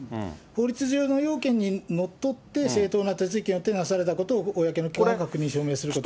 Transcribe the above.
法律上の要件にのっとって正当な手続きによってなされたことを公の機関が確認、証明すると。